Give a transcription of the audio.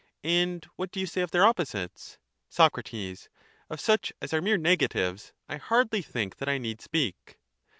And what do you say of their opposites? Soc. Of such as are mere negatives I hardly think that I need speak.